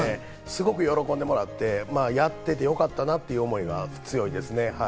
すごく喜んでもらって、やっていてよかったなという思いが強いです。